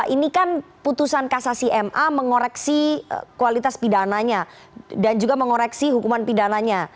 ini kan putusan kasasi ma mengoreksi kualitas pidananya dan juga mengoreksi hukuman pidananya